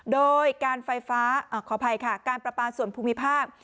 โดยการประปาส่วนภูมิภาค